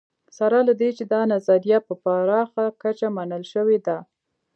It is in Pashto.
سره له دې چې دا نظریه په پراخه کچه منل شوې ده